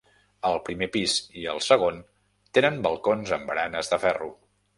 El primer pis i el segon tenen balcons amb baranes de ferro.